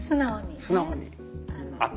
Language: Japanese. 素直にね。